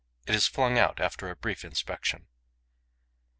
It is flung out after a brief inspection.